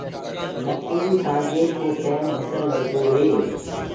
مڪُو سآنجي ڪو ٽيم اسل لگدو هي۔